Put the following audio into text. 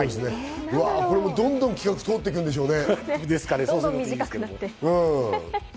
どんどん企画が通っていくんでしょうね。